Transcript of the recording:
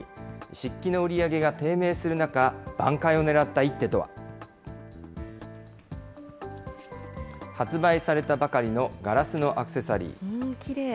漆器の売り上げが低迷する中、挽回をねらった一手とは。発売されたばかりのガラスのアクきれい。